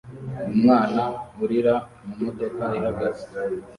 Umwana urira mumodoka ihagaze